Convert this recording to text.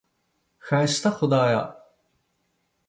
ښایسته خدایه!